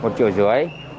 một triệu rưỡi